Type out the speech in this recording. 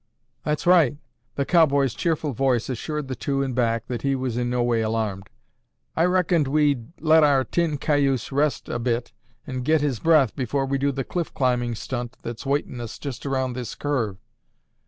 "That's right!" The cowboy's cheerful voice assured the two in back that he was in no way alarmed. "I reckoned we'd let our 'tin Cayuse' rest a bit and get his breath before we do the cliff climbing stunt that's waitin' us just around this curve."